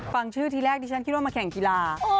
ฟังชื่อทีแรกดิฉันคิดว่ามาแข่งกีฬา